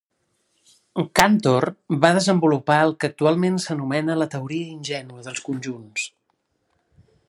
Cantor va desenvolupar el que actualment s'anomena la teoria ingènua dels conjunts.